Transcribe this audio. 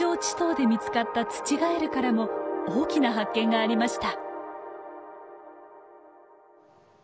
溏で見つかったツチガエルからも大きな発見がありました。